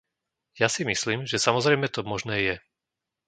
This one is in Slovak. Ja si myslím, že samozrejme to možné je.